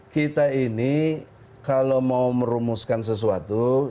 kita ini kalau mau merumuskan sesuatu